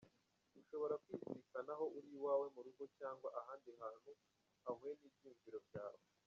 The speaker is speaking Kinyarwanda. Ushobora kwizirikanaho uri iwawe mu rugo, cyangwa ahandi hantu hahuye n’ibyiyumviro byawe.